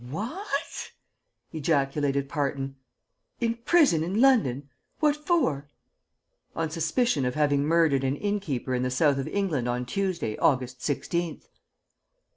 "Wha a at?" ejaculated Parton. "In prison in London? What for?" "On suspicion of having murdered an innkeeper in the South of England on Tuesday, August 16th."